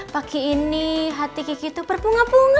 pagi ini hati kiki tuh berbunga bunga